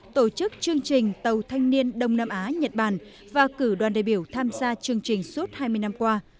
tổ chức chương trình tàu thanh niên đông nam á nhật bản và cử đoàn đại biểu tham gia chương trình suốt hai mươi năm qua